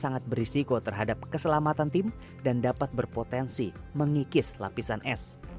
sangat berisiko terhadap keselamatan tim dan dapat berpotensi mengikis lapisan es